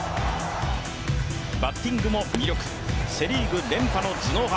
バッティングも魅力、セ・リーグ連覇の頭脳派